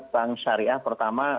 bank syariah pertama